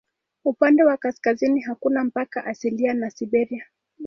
Upande wa kaskazini hakuna mpaka asilia na Siberia.